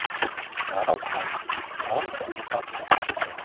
Daraus leitete sich die Namensgebung ab.